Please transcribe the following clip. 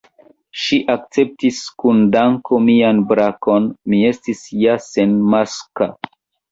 Ŝi akceptis kun danko mian brakon: mi estis ja senmaska.